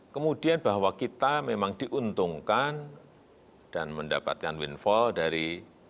kemudian bahwa kita memang diuntungkan dan mendapatkan windfall dari